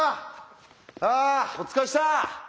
あお疲れっした！